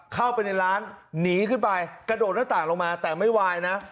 เข้าไปในร้านหนีขึ้นไปกระโดดหน้าต่างลงมาแต่ไม่ไหวนะ